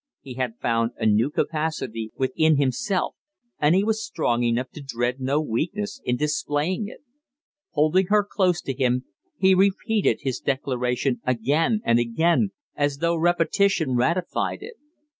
He had found a new capacity within himself, and he was strong enough to dread no weakness in displaying it. Holding her close to him, he repeated his declaration again and again, as though repetition ratified it.